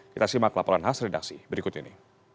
kita simak laporan khas redaksi berikut ini